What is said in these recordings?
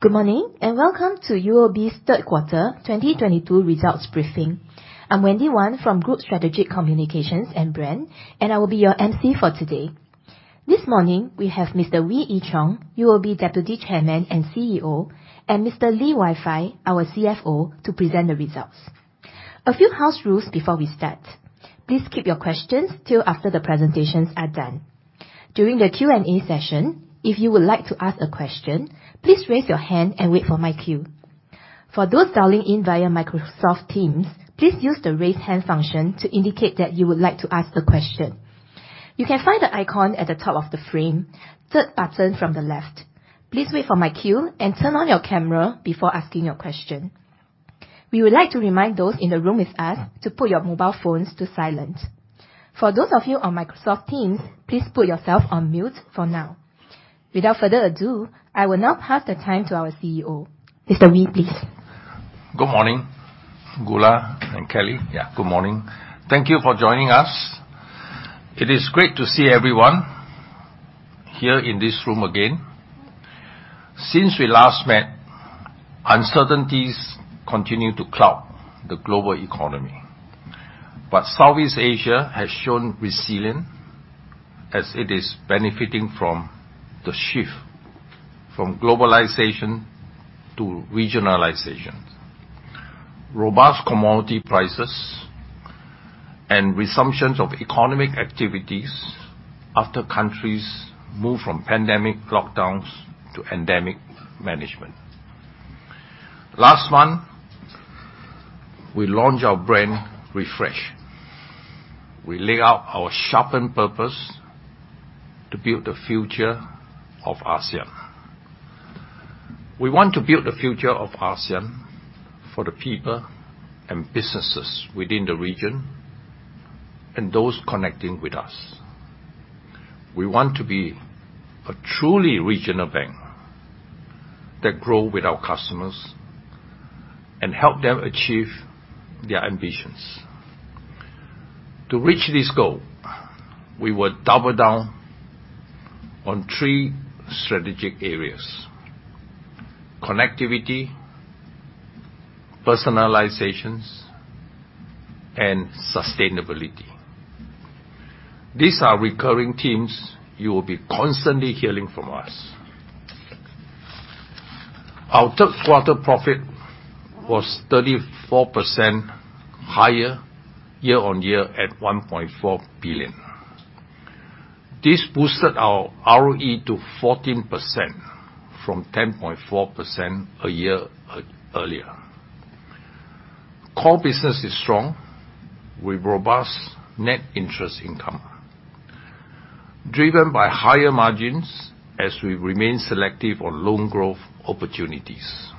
Good morning, and welcome to UOB's third quarter 2022 results briefing. I'm Wendy Wan from Group Strategic Communications and Brand, and I will be your MC for today. This morning, we have Mr. Wee Ee Cheong, UOB Deputy Chairman and CEO, and Mr. Lee Wai Fai, our CFO, to present the results. A few house rules before we start. Please keep your questions till after the presentations are done. During the Q&A session, if you would like to ask a question, please raise your hand and wait for my cue. For those dialing in via Microsoft Teams, please use the Raise Hand function to indicate that you would like to ask a question. You can find the icon at the top of the frame, third button from the left. Please wait for my cue and turn on your camera before asking your question. We would like to remind those in the room with us to put your mobile phones to silent. For those of you on Microsoft Teams, please put yourself on mute for now. Without further ado, I will now pass the mic to our CEO. Mr. Wee, please. Good morning, Gula and Kelly. Yeah, good morning. Thank you for joining us. It is great to see everyone here in this room again. Since we last met, uncertainties continue to cloud the global economy. Southeast Asia has shown resilience as it is benefiting from the shift from globalization to regionalization, robust commodity prices, and resumptions of economic activities after countries moved from pandemic lockdowns to endemic management. Last month, we launched our brand refresh. We lay out our sharpened purpose to build the future of ASEAN. We want to build the future of ASEAN for the people and businesses within the region and those connecting with us. We want to be a truly regional bank that grow with our customers and help them achieve their ambitions. To reach this goal, we will double down on three strategic areas, connectivity, personalizations, and sustainability. These are recurring themes you will be constantly hearing from us. Our third quarter profit was 34% higher year-on-year at 1.4 billion. This boosted our ROE to 14% from 10.4% a year earlier. Core business is strong, with robust net interest income, driven by higher margins as we remain selective on loan growth opportunities.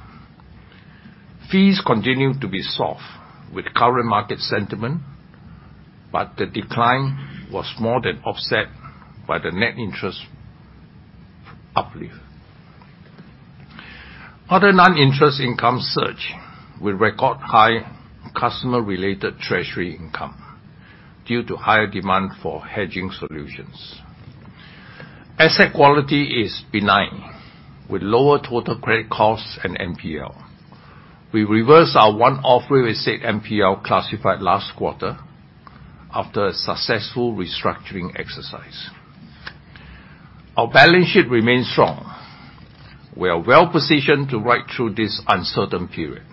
Fees continue to be soft with current market sentiment, but the decline was more than offset by the net interest uplift. Other non-interest income surge with record high customer-related treasury income due to higher demand for hedging solutions. Asset quality is benign, with lower total credit costs and NPL. We reversed our one-off real estate NPL classified last quarter after a successful restructuring exercise. Our balance sheet remains strong. We are well-positioned to ride through this uncertain period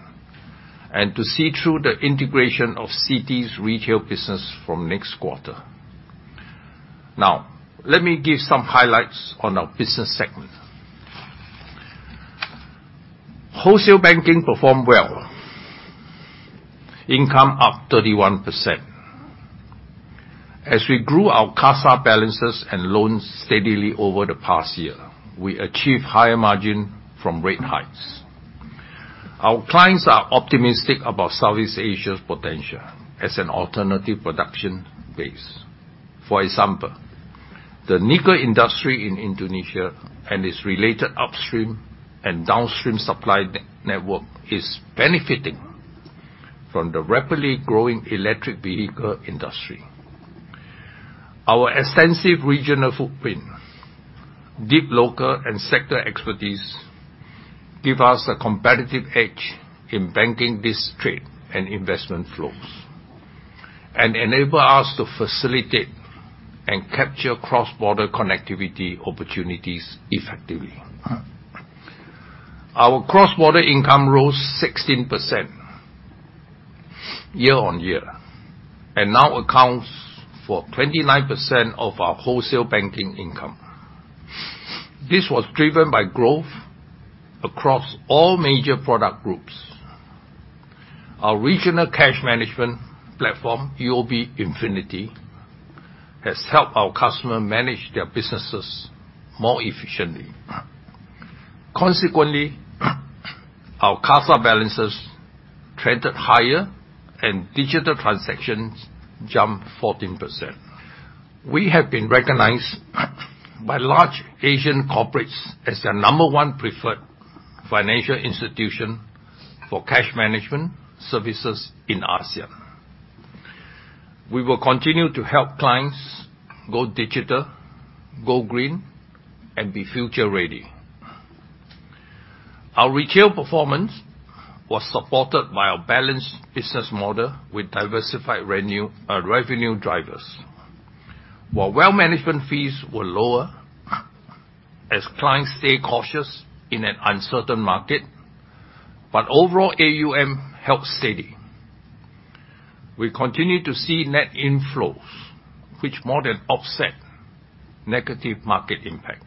and to see through the integration of Citi's retail business from next quarter. Now, let me give some highlights on our business segment. Wholesale banking performed well. Income up 31%. As we grew our CASA balances and loans steadily over the past year, we achieved higher margin from rate hikes. Our clients are optimistic about Southeast Asia's potential as an alternative production base. For example, the nickel industry in Indonesia and its related upstream and downstream supply network is benefiting from the rapidly growing electric vehicle industry. Our extensive regional footprint, deep local and sector expertise, give us a competitive edge in banking this trade and investment flows and enable us to facilitate and capture cross-border connectivity opportunities effectively. Our cross-border income rose 16% year-on-year and now accounts for 29% of our wholesale banking income. This was driven by growth across all major product groups. Our regional cash management platform, UOB Infinity, has helped our customers manage their businesses more efficiently. Consequently, our CASA balances trended higher, and digital transactions jumped 14%. We have been recognized by large Asian corporates as their number one preferred financial institution for cash management services in ASEAN. We will continue to help clients go digital, go green, and be future ready. Our retail performance was supported by our balanced business model with diversified revenue drivers. While wealth management fees were lower as clients stay cautious in an uncertain market, but overall AUM helped steady. We continue to see net inflows, which more than offset negative market impact.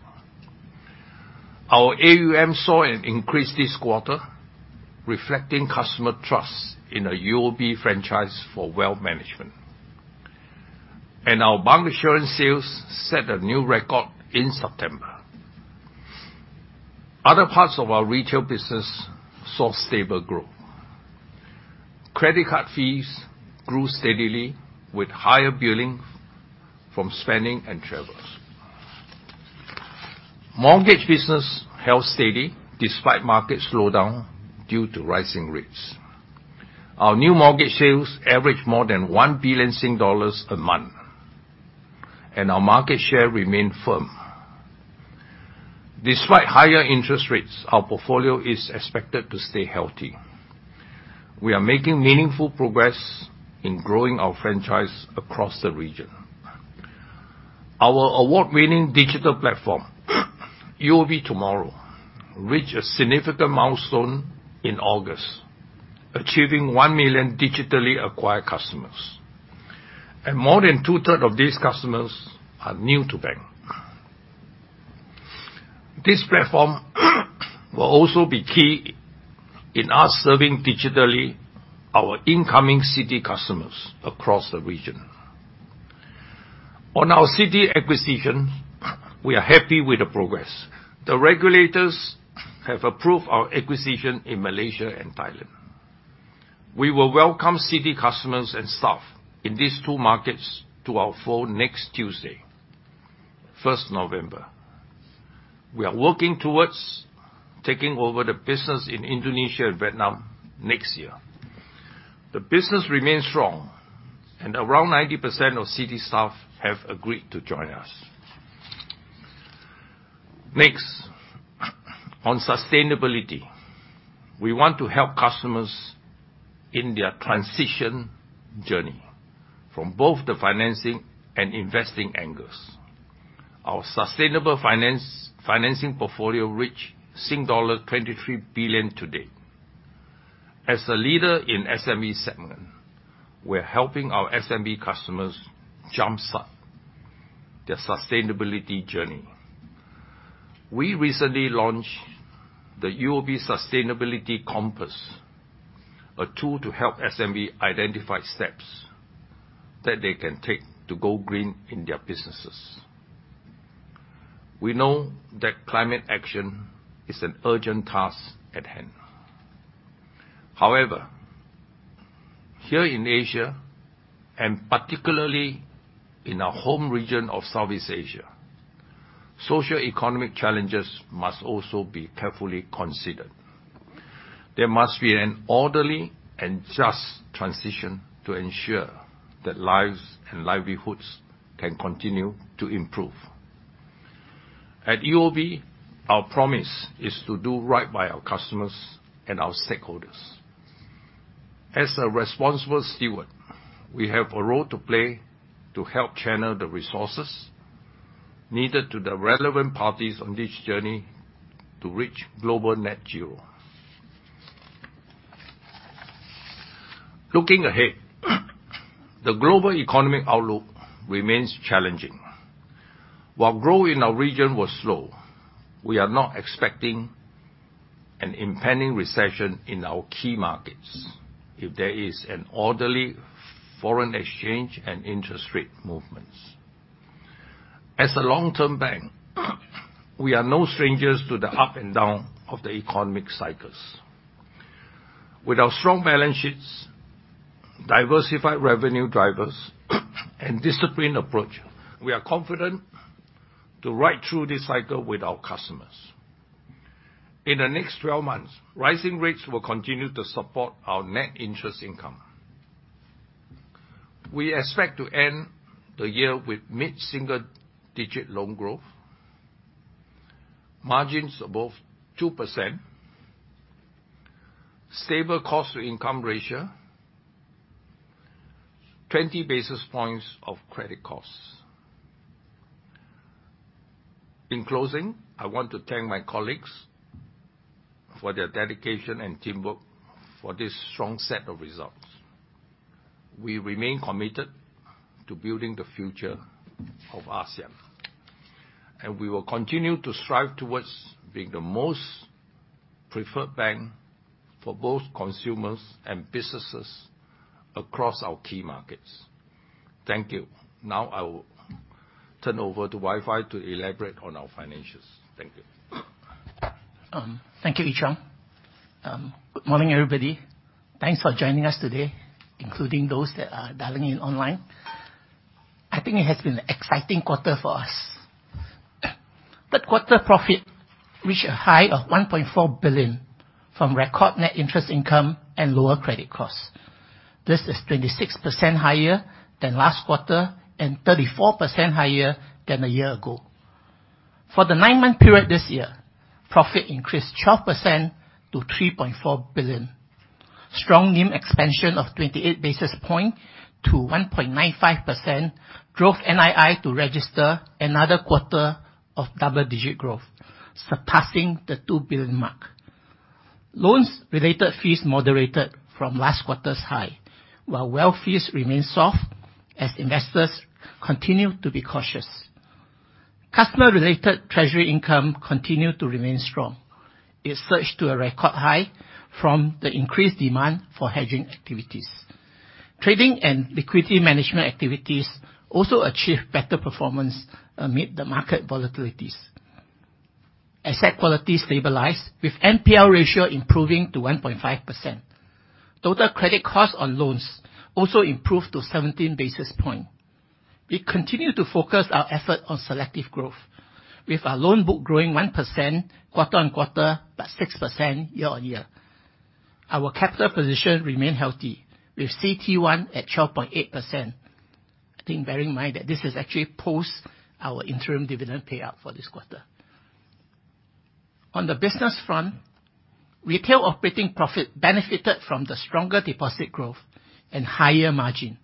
Our AUM saw an increase this quarter, reflecting customer trust in a UOB franchise for wealth management. Our bancassurance sales set a new record in September. Other parts of our retail business saw stable growth. Credit card fees grew steadily with higher billing from spending and travels. Mortgage business held steady despite market slowdown due to rising rates. Our new mortgage sales averaged more than 1 billion dollars a month, and our market share remained firm. Despite higher interest rates, our portfolio is expected to stay healthy. We are making meaningful progress in growing our franchise across the region. Our award-winning digital platform, UOB TMRW, reached a significant milestone in August, achieving 1 million digitally acquired customers. More than two-thirds of these customers are new to bank. This platform will also be key in us serving digitally our incoming Citi customers across the region. On our Citi acquisition, we are happy with the progress. The regulators have approved our acquisition in Malaysia and Thailand. We will welcome Citi customers and staff in these two markets to our fold next Tuesday, 1st November. We are working towards taking over the business in Indonesia and Vietnam next year. The business remains strong and around 90% of Citi staff have agreed to join us. Next, on sustainability, we want to help customers in their transition journey from both the financing and investing angles. Our sustainable financing portfolio reached SGD 23 billion today. As a leader in SME segment, we're helping our SME customers jumpstart their sustainability journey. We recently launched the UOB Sustainability Compass, a tool to help SME identify steps that they can take to go green in their businesses. We know that climate action is an urgent task at hand. However, here in Asia, and particularly in our home region of Southeast Asia, socio-economic challenges must also be carefully considered. There must be an orderly and just transition to ensure that lives and livelihoods can continue to improve. At UOB, our promise is to do right by our customers and our stakeholders. As a responsible steward, we have a role to play to help channel the resources needed to the relevant parties on this journey to reach global net zero. Looking ahead, the global economic outlook remains challenging. While growth in our region was slow, we are not expecting an impending recession in our key markets if there is an orderly foreign exchange and interest rate movements. As a long-term bank, we are no strangers to the up and down of the economic cycles. With our strong balance sheets, diversified revenue drivers, and disciplined approach, we are confident to ride through this cycle with our customers. In the next 12 months, rising rates will continue to support our net interest income. We expect to end the year with mid-single-digit loan growth, margins above 2%, stable cost-to-income ratio, 20 basis points of credit costs. In closing, I want to thank my colleagues for their dedication and teamwork for this strong set of results. We remain committed to building the future of ASEAN, and we will continue to strive towards being the most preferred bank for both consumers and businesses across our key markets. Thank you. Now I will turn over to Lee Wai Fai to elaborate on our financials. Thank you. Thank you, Ee Cheong. Good morning, everybody. Thanks for joining us today, including those that are dialing in online. I think it has been an exciting quarter for us. Third quarter profit reached a high of 1.4 billion from record net interest income and lower credit costs. This is 26% higher than last quarter and 34% higher than a year ago. For the 9-month period this year, profit increased 12% to 3.4 billion. Strong NIM expansion of 28 basis points to 1.95% drove NII to register another quarter of double-digit growth, surpassing the 2 billion mark. Loan-related fees moderated from last quarter's high, while wealth fees remain soft as investors continue to be cautious. Customer-related treasury income continued to remain strong. It surged to a record high from the increased demand for hedging activities. Trading and liquidity management activities also achieved better performance amid the market volatilities. Asset quality stabilized with NPL ratio improving to 1.5%. Total credit cost on loans also improved to 17 basis points. We continue to focus our effort on selective growth with our loan book growing 1% quarter-on-quarter, but 6% year-on-year. Our capital position remain healthy with CET1 at 12.8%. I think bearing in mind that this is actually post our interim dividend payout for this quarter. On the business front, retail operating profit benefited from the stronger deposit growth and higher margin.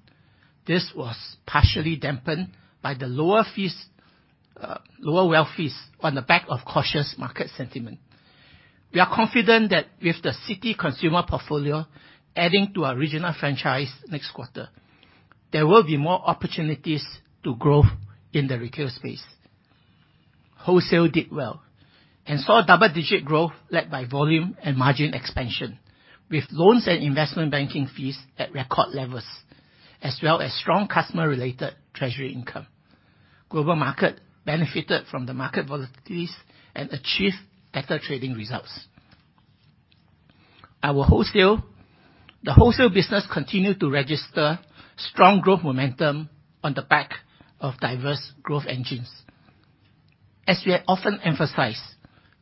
This was partially dampened by the lower fees, lower wealth fees on the back of cautious market sentiment. We are confident that with the Citi consumer portfolio adding to our regional franchise next quarter, there will be more opportunities to growth in the retail space. Wholesale did well and saw double-digit growth led by volume and margin expansion, with loans and investment banking fees at record levels, as well as strong customer-related treasury income. Global market benefited from the market volatilities and achieved better trading results. The wholesale business continued to register strong growth momentum on the back of diverse growth engines. As we have often emphasized,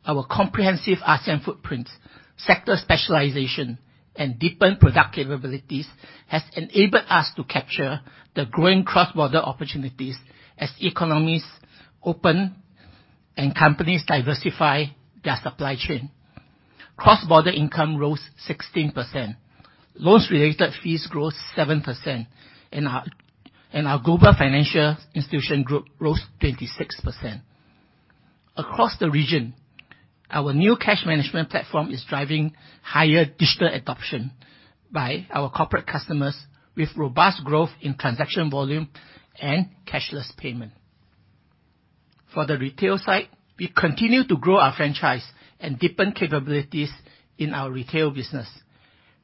our comprehensive ASEAN footprint, sector specialization and deepened product capabilities has enabled us to capture the growing cross-border opportunities as economies open and companies diversify their supply chain. Cross-border income rose 16%. Loans-related fees growth 7% and our Global Financial Institution Group rose 26%. Across the region, our new cash management platform is driving higher digital adoption by our corporate customers with robust growth in transaction volume and cashless payment. For the retail side, we continue to grow our franchise and deepen capabilities in our retail business.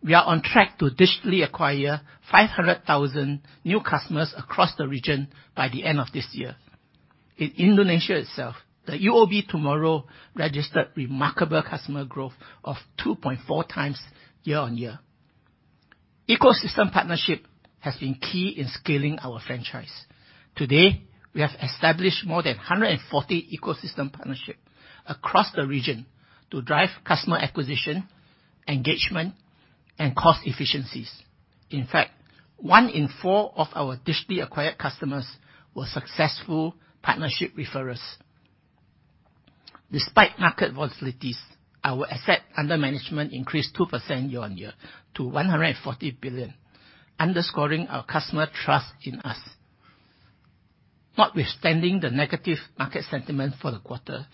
We are on track to digitally acquire 500,000 new customers across the region by the end of this year. In Indonesia itself, the UOB TMRW registered remarkable customer growth of 2.4x year-on-year. Ecosystem partnership has been key in scaling our franchise. Today, we have established more than 140 ecosystem partnership across the region to drive customer acquisition, engagement, and cost efficiencies. In fact, one in four of our digitally acquired customers were successful partnership referrers. Despite market volatilities, our assets under management increased 2% year-on-year to 140 billion, underscoring our customer trust in us. Notwithstanding the negative market sentiment for the quarter,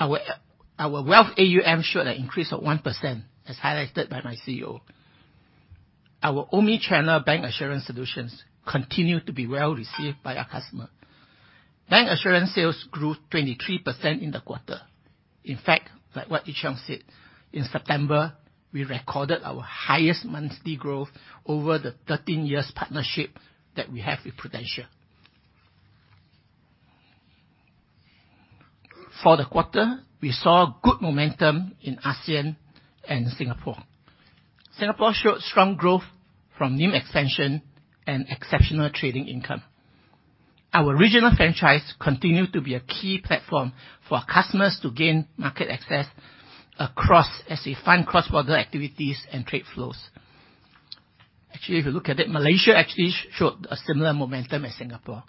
our wealth AUM showed an increase of 1%, as highlighted by my CEO. Our omni-channel bancassurance solutions continue to be well received by our customer. Bancassurance sales grew 23% in the quarter. In fact, like what Wee Ee Cheong said, in September, we recorded our highest monthly growth over the 13-year partnership that we have with Prudential. For the quarter, we saw good momentum in ASEAN and Singapore. Singapore showed strong growth from NIM expansion and exceptional trading income. Our regional franchise continued to be a key platform for our customers to gain market access across ASEAN as we fund cross-border activities and trade flows. Actually, if you look at it, Malaysia actually showed a similar momentum as Singapore.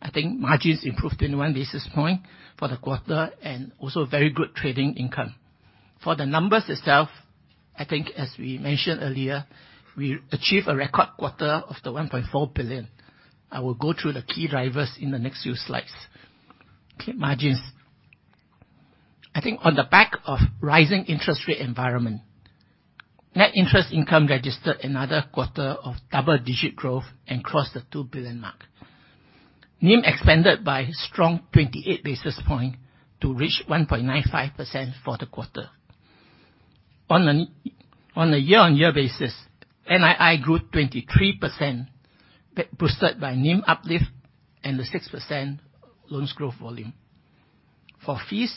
I think margins improved 21 basis points for the quarter, and also very good trading income. For the numbers itself, I think as we mentioned earlier, we achieved a record quarter of 1.4 billion. I will go through the key drivers in the next few slides. Okay, margins. I think on the back of rising interest rate environment, net interest income registered another quarter of double-digit growth and crossed the 2 billion mark. NIM expanded by strong 28 basis points to reach 1.95% for the quarter. On a year-on-year basis, NII grew 23%, boosted by NIM uplift and the 6% loans growth volume. For fees,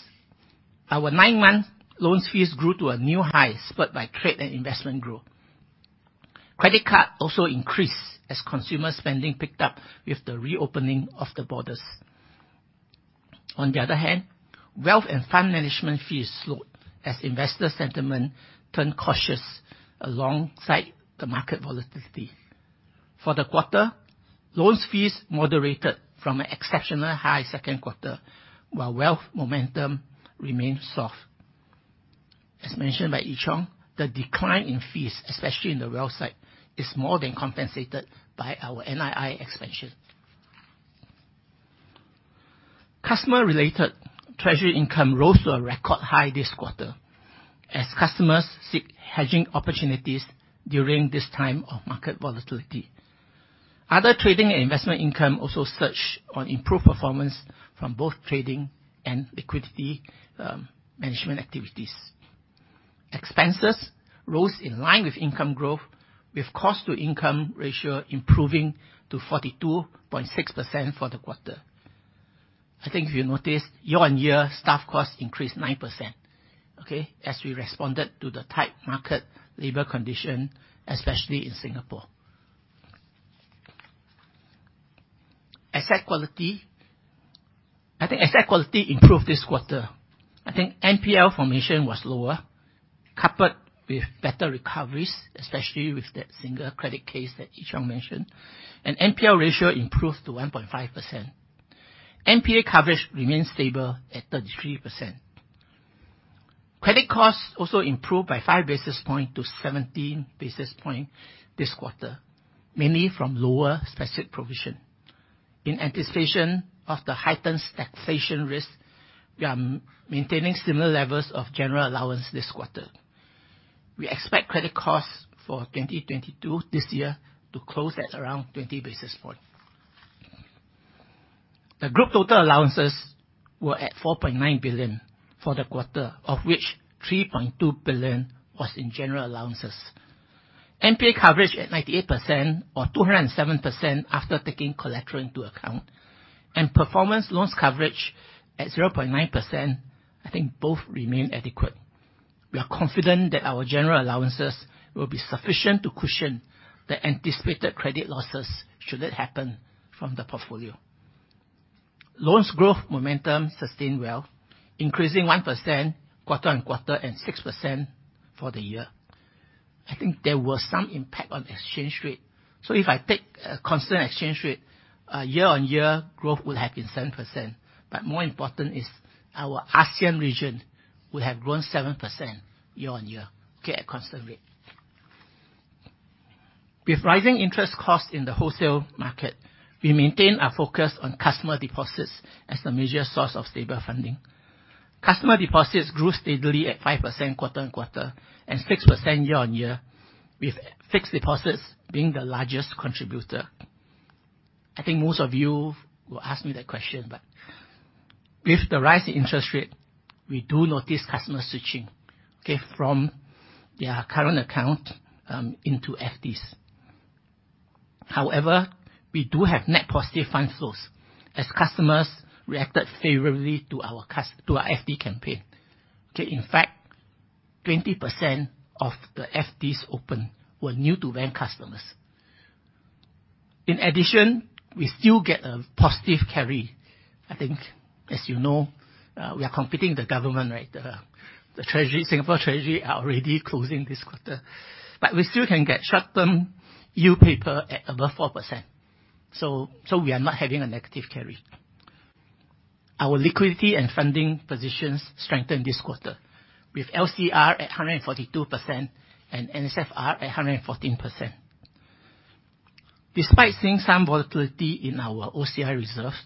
our 9-month loan fees grew to a new high, spurred by trade and investment growth. Credit card also increased as consumer spending picked up with the reopening of the borders. On the other hand, wealth and fund management fees slowed as investor sentiment turned cautious alongside the market volatility. For the quarter, loan fees moderated from an exceptional high second quarter, while wealth momentum remained soft. As mentioned by Ee Cheong, the decline in fees, especially in the wealth side, is more than compensated by our NII expansion. Customer-related treasury income rose to a record high this quarter as customers seek hedging opportunities during this time of market volatility. Other trading and investment income also surged on improved performance from both trading and liquidity management activities. Expenses rose in line with income growth, with cost to income ratio improving to 42.6% for the quarter. I think if you noticed, year-on-year, staff costs increased 9%, okay, as we responded to the tight labor market conditions, especially in Singapore. Asset quality, I think asset quality improved this quarter. I think NPL formation was lower, coupled with better recoveries, especially with that single credit case that Wee Ee Cheong mentioned, and NPL ratio improved to 1.5%. NPA coverage remained stable at 33%. Credit costs also improved by 5 basis points to 17 basis points this quarter, mainly from lower specific provision. In anticipation of the heightened taxation risk, we are maintaining similar levels of general allowance this quarter. We expect credit costs for 2022, this year, to close at around 20 basis points. The group total allowances were at 4.9 billion for the quarter, of which 3.2 billion was in general allowances. NPA coverage at 98% or 207% after taking collateral into account. Performing loans coverage at 0.9%, I think both remain adequate. We are confident that our general allowances will be sufficient to cushion the anticipated credit losses should it happen from the portfolio. Loans growth momentum sustained well, increasing 1% quarter on quarter and 6% for the year. I think there was some impact on exchange rate. If I take a constant exchange rate, year on year, growth would have been 7%. More important is our ASEAN region would have grown 7% year on year, okay, at constant rate. With rising interest costs in the wholesale market, we maintain our focus on customer deposits as a major source of stable funding. Customer deposits grew steadily at 5% quarter-on-quarter and 6% year-on-year, with fixed deposits being the largest contributor. I think most of you will ask me that question, but with the rise in interest rate, we do notice customer switching, okay. From their current account into FDs. However, we do have net positive fund flows as customers reacted favorably to our FD campaign, okay. In fact, 20% of the FDs opened were new-to-bank customers. In addition, we still get a positive carry. I think as you know, we are competing with the government, right. The Singapore T-bills are already closing this quarter. But we still can get short-term yield paper at above 4%. So we are not having a negative carry. Our liquidity and funding positions strengthened this quarter with LCR at 142% and NSFR at 114%. Despite seeing some volatility in our OCI reserves,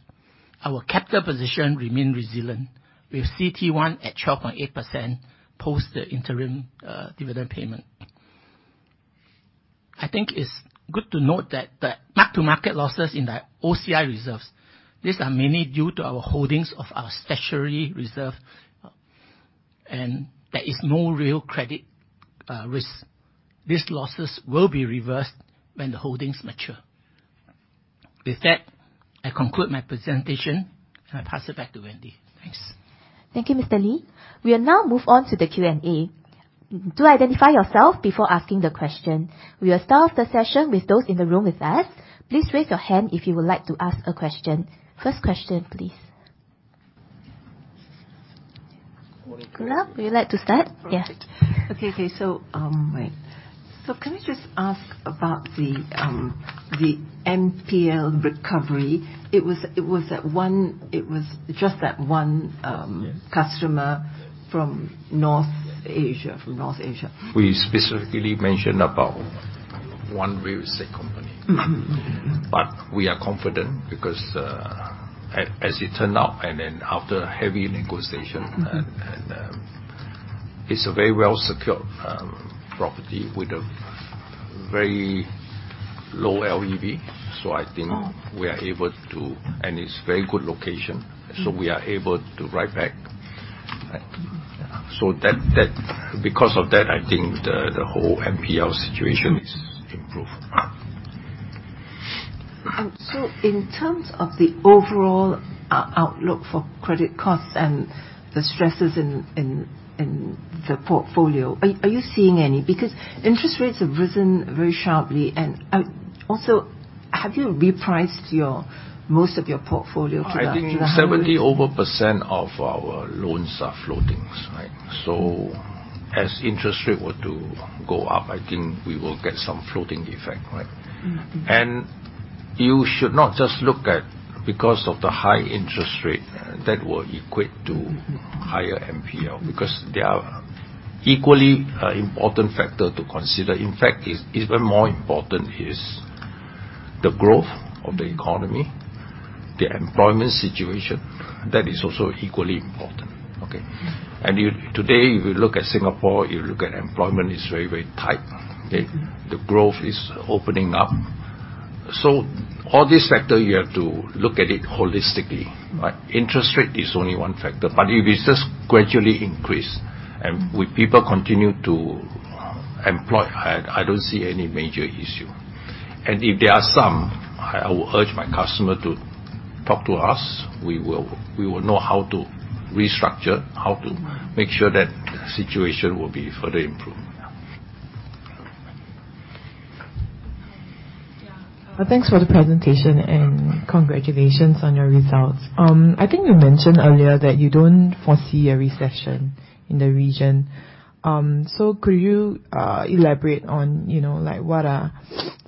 our capital position remained resilient with CET1 at 12.8% post the interim dividend payment. I think it's good to note that the mark-to-market losses in the OCI reserves, these are mainly due to our holdings of our statutory reserve, and there is no real credit risk. These losses will be reversed when the holdings mature. With that, I conclude my presentation, and I pass it back to Wendy. Thanks. Thank you, Mr. Lee. We will now move on to the Q&A. Do identify yourself before asking the question. We will start the session with those in the room with us. Please raise your hand if you would like to ask a question. First question, please. Mira, would you like to start? Yeah. Perfect. Okay. Wait. Can we just ask about the NPL recovery? It was that one customer from North Asia. We specifically mentioned about one real estate company. We are confident because, as it turned out, and then after heavy negotiation. It's a very well-secured property with a very low LTV. I think we're able to, and it's very good location. We are able to write back. Because of that, I think the whole NPL situation is improved. In terms of the overall outlook for credit costs and the stresses in the portfolio, are you seeing any? Because interest rates have risen very sharply and also have you repriced most of your portfolio to that? I think over 70% of our loans are floating, right? As interest rate were to go up, I think we will get some floating effect, right? You should not just look at because of the high interest rate that will equate to higher NPL, because there are equally important factor to consider. In fact, it's even more important is the growth of the economy, the employment situation, that is also equally important, okay? Today you look at Singapore, you look at employment is very, very tight, okay? The growth is opening up. All this factor, you have to look at it holistically, right? Interest rate is only one factor. If it's just gradually increased and with people continue to employ, I don't see any major issue. If there are some, I will urge my customer to talk to us. We will know how to restructure, how to make sure that the situation will be further improved. Yeah. Thanks for the presentation and congratulations on your results. I think you mentioned earlier that you don't foresee a recession in the region. Could you elaborate on, you know, like, what are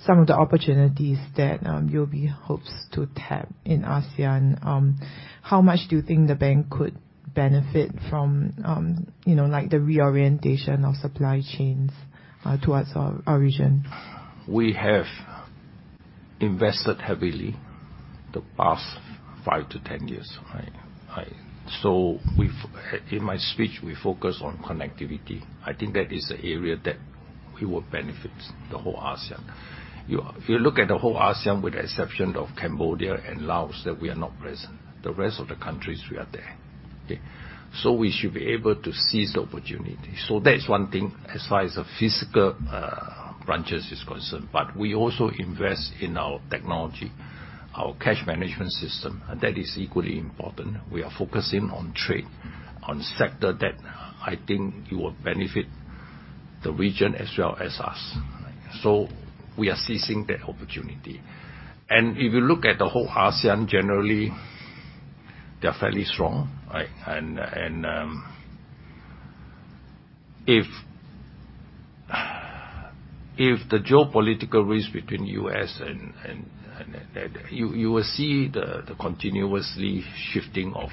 some of the opportunities that UOB hopes to tap in ASEAN? How much do you think the bank could benefit from, you know, like the reorientation of supply chains towards our region? We have invested heavily the past 5-10 years, right? In my speech, we focus on connectivity. I think that is the area that we will benefit the whole ASEAN. You, if you look at the whole ASEAN with the exception of Cambodia and Laos, that we are not present, the rest of the countries we are there, okay? We should be able to seize the opportunity. That is one thing as far as the physical branches is concerned. We also invest in our technology, our cash management system. That is equally important. We are focusing on trade, on sector that I think it will benefit the region as well as us. We are seizing that opportunity. If you look at the whole ASEAN, generally, they're fairly strong, right? You will see the continuously shifting of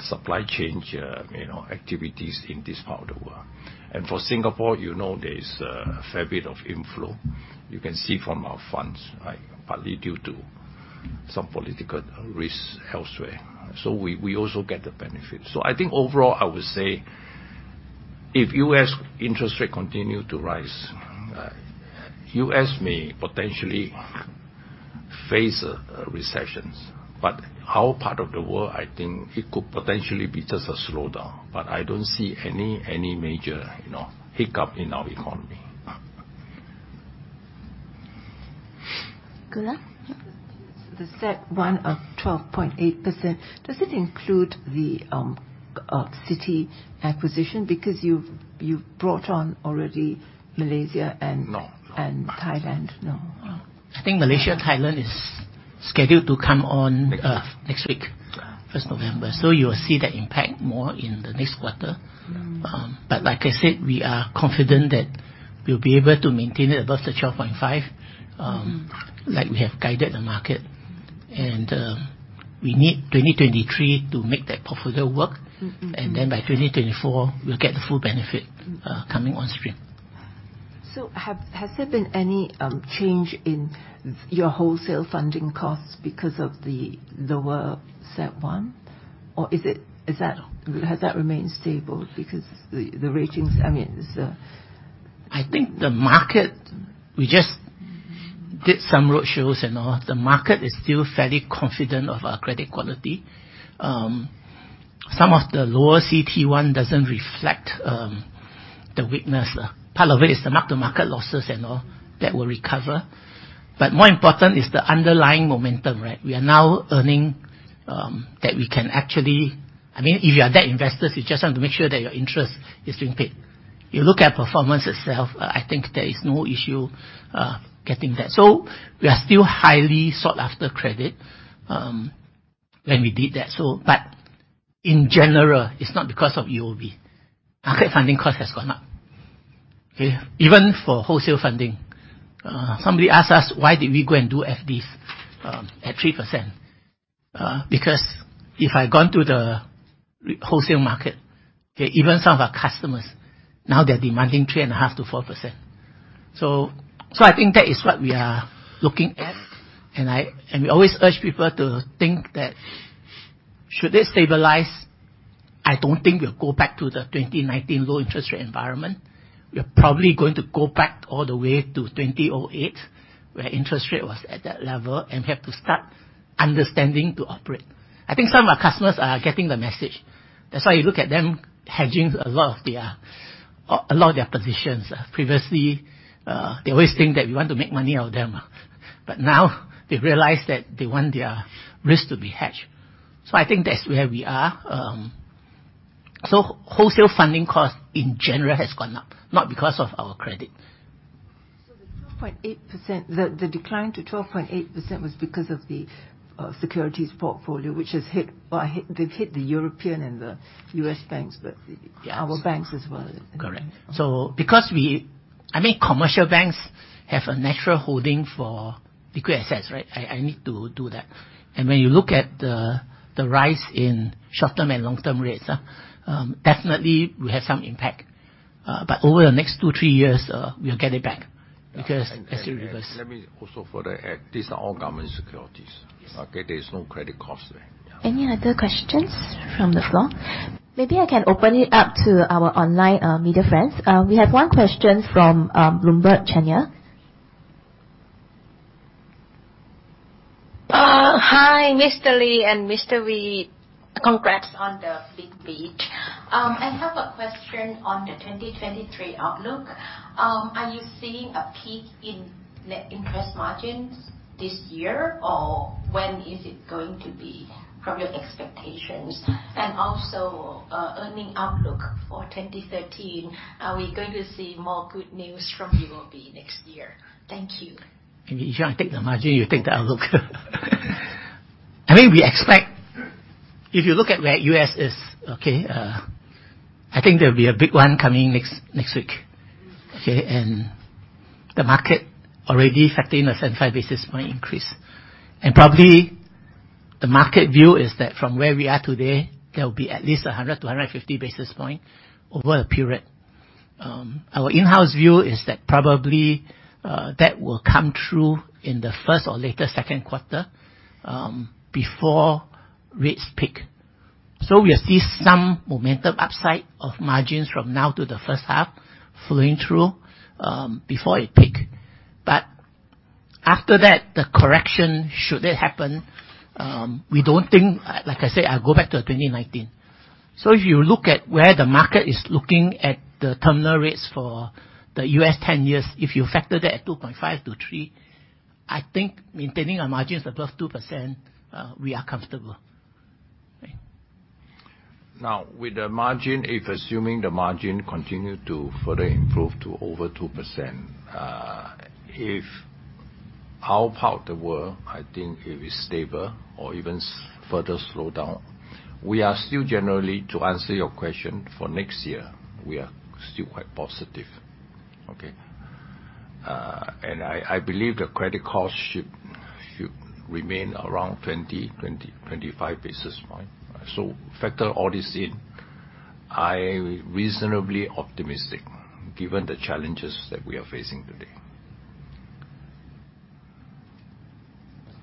supply chain, you know, activities in this part of the world. For Singapore, you know, there is a fair bit of inflow. You can see from our funds, right? Partly due to some political risks elsewhere. We also get the benefit. I think overall, I would say if U.S. interest rate continue to rise, U.S. may potentially face a recession. Our part of the world, I think it could potentially be just a slowdown, but I don't see any major, you know, hiccup in our economy. Gura, yep. The CET1 of 12.8%, does it include the Citi acquisition? Because you've brought on already Malaysia and No, no. Thailand. No. I think Malaysia, Thailand is scheduled to come on next week, 1st November. You will see that impact more in the next quarter. Like I said, we are confident that we'll be able to maintain it above 12.5%. Like we have guided the market. We need 2023 to make that portfolio work. By 2024 we'll get the full benefit, coming on stream. Has there been any change in your wholesale funding costs because of the lower CET1? Or has that remained stable? Because the ratings, I mean, so? I think the market, we just did some roadshows and all. The market is still fairly confident of our credit quality. Some of the lower CET1 doesn't reflect the weakness. Part of it is the mark-to-market losses and all that will recover. More important is the underlying momentum, right? We are now earning, I mean, if you are that investor, you just have to make sure that your interest is being paid. You look at performance itself, I think there is no issue getting that. We are still highly sought-after credit when we did that, so. In general, it's not because of UOB. Market funding cost has gone up, okay? Even for wholesale funding. Somebody asked us why did we go and do FDs at 3%. Because if I'd gone to the wholesale market, okay, even some of our customers now they're demanding 3.5%-4%. So I think that is what we are looking at. We always urge people to think that should they stabilize. I don't think we'll go back to the 2019 low interest rate environment. We're probably going to go back all the way to 2008, where interest rate was at that level, and we have to start understanding to operate. I think some of our customers are getting the message. That's why you look at them hedging a lot of their, a lot of their positions. Previously, they always think that we want to make money out of them. Now they've realized that they want their risk to be hedged. I think that's where we are. Wholesale funding costs in general has gone up, not because of our credit. The 12.8%. The decline to 12.8% was because of the securities portfolio, which has hit or they've hit the European and the U.S. banks, but our banks as well. Correct. Because I mean, commercial banks have a natural holding for liquid assets, right? I need to do that. When you look at the rise in short-term and long-term rates, definitely we have some impact. But over the next two, three years, we'll get it back because it's irreversible. Let me also further add, these are all government securities, okay, there is no credit cost there. Yeah. Any other questions from the floor? Maybe I can open it up to our online media friends. We have one question from Bloomberg, Chanya. Hi, Mr. Lee and Mr. Wee. Congrats on the big beat. I have a question on the 2023 outlook. Are you seeing a peak in net interest margins this year, or when is it going to be from your expectations? Earnings outlook for 2023, are we going to see more good news from UOB next year? Thank you. Maybe you try and take the margin, you take the outlook. I mean, we expect. If you look at where U.S. is, okay, I think there'll be a big one coming next week, okay? The market already factoring a 75 basis points increase. Probably the market view is that from where we are today, there will be at least 100 basis points-150 basis points over a period. Our in-house view is that probably, that will come through in the first or later second quarter, before rates peak. We'll see some momentum upside of margins from now to the first half flowing through, before it peak. After that, the correction, should it happen, we don't think, like I said, I'll go back to 2019. If you look at where the market is looking at the terminal rates for the U.S. 10-year, if you factor that at 2.5%-3%, I think maintaining our margins above 2%, we are comfortable, right. Now, with the margin, if assuming the margin continue to further improve to over 2%, if our part of the world, I think if it's stable or even further slow down, we are still generally, to answer your question, for next year, we are still quite positive. I believe the credit cost should remain around 25 basis points. Factor all this in, I reasonably optimistic given the challenges that we are facing today.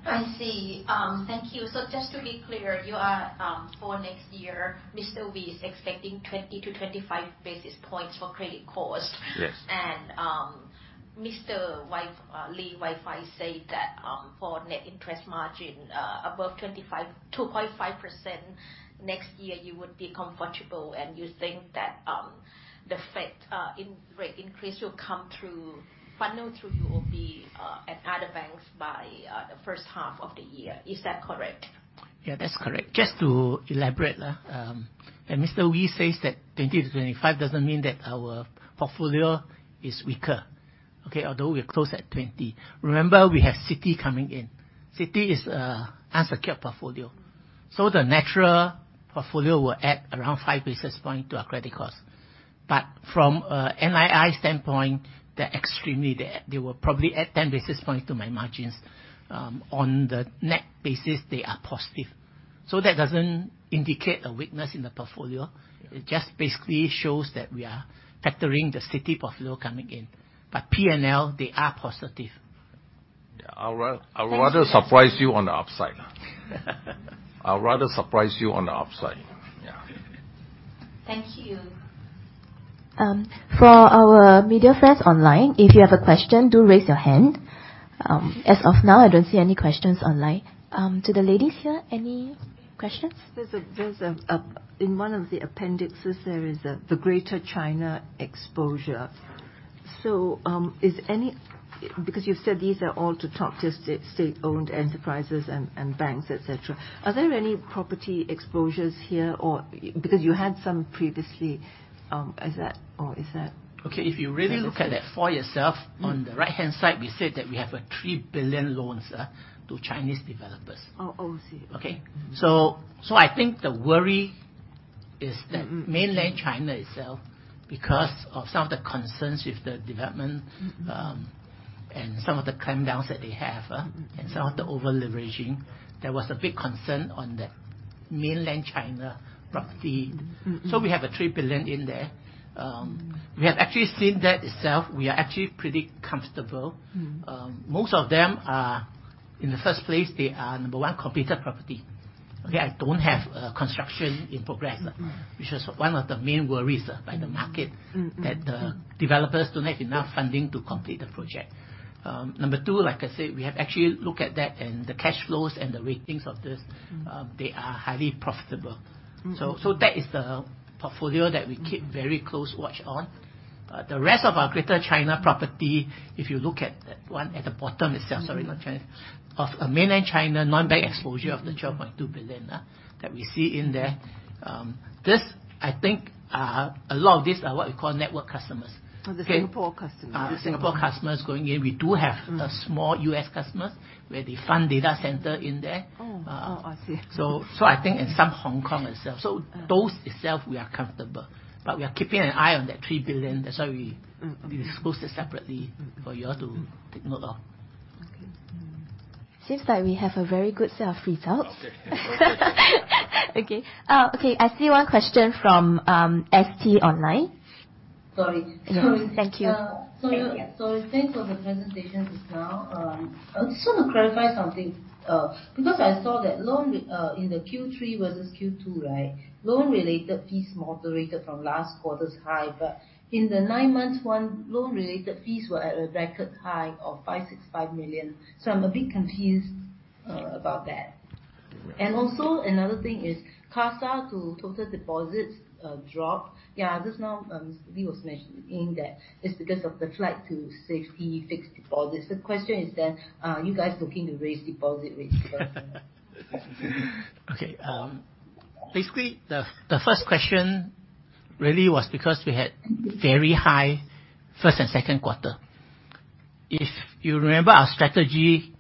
I see. Thank you. Just to be clear, you are for next year, Mr. Wee, is expecting 20 basis points-25 basis points for credit cost. Yes. Mr. Wai, Lee Wai Fai say that, for net interest margin, above 2.5% next year you would be comfortable, and you think that the Fed interest rate increase will come through, flow through UOB, and other banks by the first half of the year. Is that correct? Yeah, that's correct. Just to elaborate, Mr. Wee says that 20 basis points-25 basis points doesn't mean that our portfolio is weaker, okay? Although we are close at 20. Remember, we have Citi coming in. Citi is an unsecured portfolio. The natural portfolio will add around 5 basis points to our credit cost. But from a NII standpoint, they're accretive. They will probably add 10 basis points to my margins. On the net basis, they are positive. That doesn't indicate a weakness in the portfolio. It just basically shows that we are factoring the Citi portfolio coming in. P&L, they are positive. I'd rather surprise you on the upside. Yeah. Thank you. For our media friends online, if you have a question, do raise your hand. As of now, I don't see any questions online. To the ladies here, any questions? In one of the appendices, there is the Greater China exposure. Because you said these are all the top just state-owned enterprises and banks, et cetera. Are there any property exposures here? Because you had some previously, is that? Okay. If you really look at that for yourself, on the right-hand side, we said that we have 3 billion loans to Chinese developers. Oh, oh, I see. Okay? I think the worry is that Mainland China itself, because of some of the concerns with the development. Some of the clampdowns that they have, some of the over-leveraging, there was a big concern on the Mainland China property. We have 3 billion in there. We have actually seen that itself. We are actually pretty comfortable. In the first place, they are, number one, completed property. Okay? I don't have construction in progress, which is one of the main worries of the market. That the developers don't have enough funding to complete the project. Number two, like I said, we have actually looked at that and the cash flows and the ratings of this, they are highly profitable. That is the portfolio that we keep very close watch on. The rest of our Greater China property, if you look at one at the bottom itself. Sorry, not China, of Mainland China non-bank exposure of the 12.2 billion that we see in there. This, I think, a lot of these are what you call network customers. Oh, the Singapore customers. Singapore customers going in. We do have a small U.S. customer where they fund data center in there. Oh. Oh, I see. I think in some Hong Kong itself. Those itself we are comfortable. We are keeping an eye on that 3 billion. That's why we, we expose it separately for you all to take note of. Okay. Seems like we have a very good set of results. Okay, okay. I see one question from ST Online. Sorry. Thank you. Thanks for the presentation just now. I just want to clarify something because I saw that loan in the Q3 versus Q2, right? Loan related fees moderated from last quarter's high, but in the 9 months, loan related fees were at a record high of 565 million. I'm a bit confused about that. Also another thing is CASA to total deposits dropped. Yeah, just now, Mr. Lee was mentioning that it's because of the flight to safety fixed deposits. The question is then, are you guys looking to raise deposit rates? Okay. Basically the first question really was because we had very high first and second quarter. If you remember our strategy,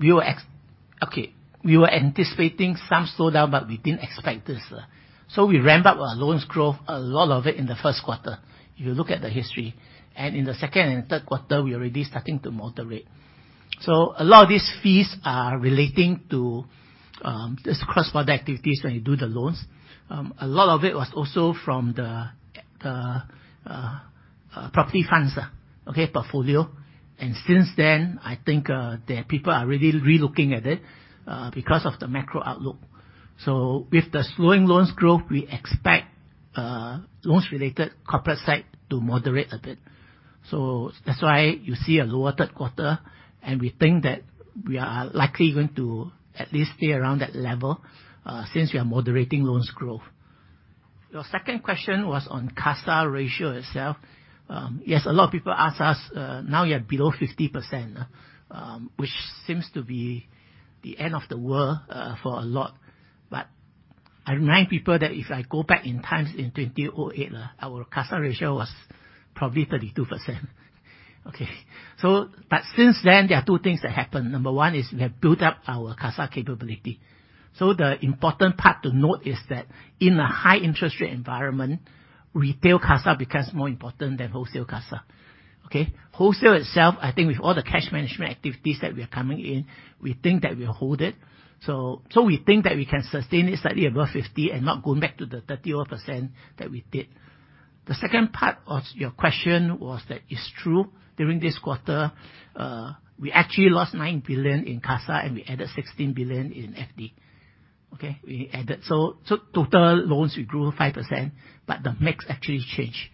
we were anticipating some slowdown, but we didn't expect this. We ramp up our loans growth, a lot of it in the first quarter. If you look at the history and in the second and third quarter, we are already starting to moderate. A lot of these fees are relating to this cross-border activities when you do the loans. A lot of it was also from the property funds portfolio. Since then, I think the people are really re-looking at it because of the macro outlook. With the slowing loans growth, we expect loans related corporate side to moderate a bit. That's why you see a lower third quarter, and we think that we are likely going to at least stay around that level, since we are moderating loans growth. Your second question was on CASA ratio itself. Yes, a lot of people ask us, now you are below 50%, which seems to be the end of the world, for a lot. I remind people that if I go back in times in 2008, our CASA ratio was probably 32%. Okay. Since then there are two things that happened. Number one is we have built up our CASA capability. The important part to note is that in a high interest rate environment, retail CASA becomes more important than wholesale CASA, okay? Wholesale itself, I think with all the cash management activities that we are coming in, we think that we hold it. We think that we can sustain it slightly above 50% and not going back to the 30% that we did. The second part of your question was that it's true. During this quarter, we actually lost 9 billion in CASA and we added 16 billion in FD. We added. Total loans, we grew 5%, but the mix actually changed.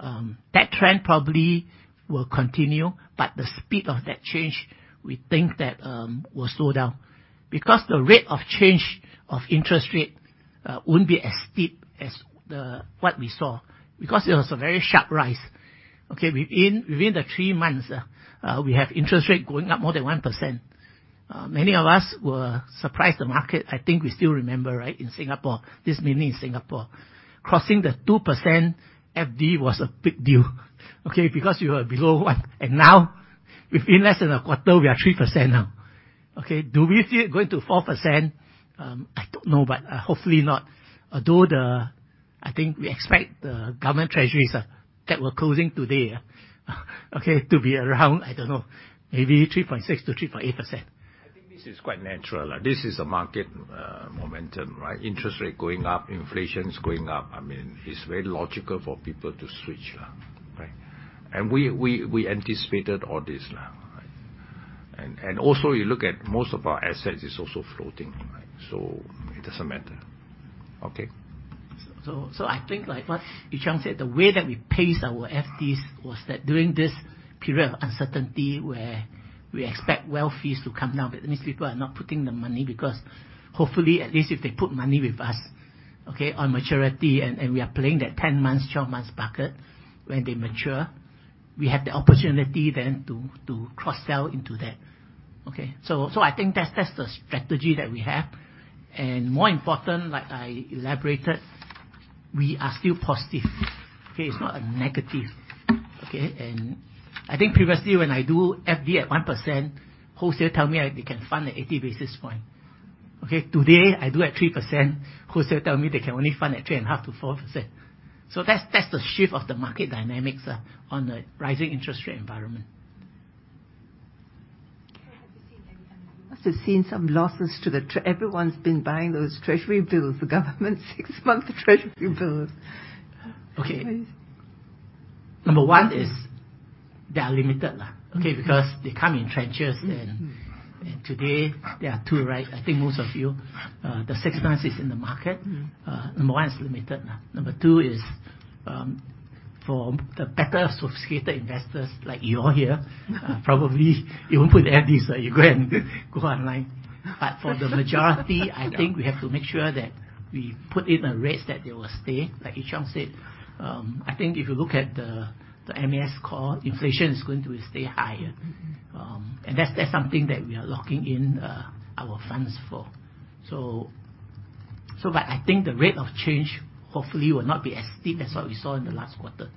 That trend probably will continue, but the speed of that change, we think that, will slow down because the rate of change of interest rate won't be as steep as what we saw, because it was a very sharp rise. Within the 3 months, we have interest rate going up more than 1%. Many of us were surprised by the market, I think we still remember, right, in Singapore, this milestone in Singapore, crossing the 2% FD was a big deal. Because you were below 1% and now within less than a quarter, we are 3% now. Do we see it going to 4%? I don't know, but hopefully not. Although I think we expect the government treasuries that were closing today to be around, I don't know, maybe 3.6%-3.8%. I think this is quite natural. This is a market momentum, right? Interest rate going up, inflation is going up. I mean, it's very logical for people to switch, right? We anticipated all this now, right? Also you look at most of our assets is also floating, right? It doesn't matter. Okay. I think like what E-Chang said, the way that we pace our FDs was that during this period of uncertainty where we expect wealth fees to come down, but these people are not putting the money because hopefully at least if they put money with us, okay, on maturity and we are playing that 10 months, 12 months bucket, when they mature, we have the opportunity then to cross-sell into that. Okay. I think that's the strategy that we have. More important, like I elaborated, we are still positive. Okay. It's not a negative, okay. I think previously when I do FD at 1%, wholesale tell me they can fund at 80 basis points. Okay. Today, I do at 3%, wholesale tell me they can only fund at 3.5%-4%. That's the shift of the market dynamics on the rising interest rate environment. Have you seen any losses? Everyone's been buying those treasury bills, the government 6-month treasury bills. Okay. Number one is they are limited, okay? Because they come in tranches. Today there are two, right? I think most of you, the 6 months is in the market. Number one, it's limited. Number two is, for the better sophisticated investors like you all here, probably you won't put the FD, so you go online. For the majority, I think we have to make sure that we put in a rate that they will stay, like Ee Cheong said. I think if you look at the MAS core, inflation is going to stay higher. That's something that we are locking in our funds for. I think the rate of change hopefully will not be as steep as what we saw in the last quarter.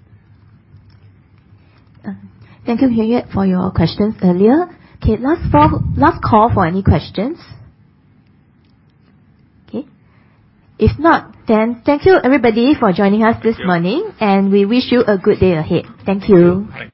Thank you, Hayat, for your questions earlier. Okay, last call for any questions. Okay. If not, then thank you, everybody, for joining us this morning. Thank you. We wish you a good day ahead. Thank you. Thank you.